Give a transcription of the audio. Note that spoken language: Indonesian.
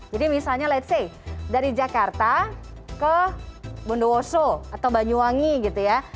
jadi misalnya let s say dari jakarta ke bundowoso atau banyuwangi gitu ya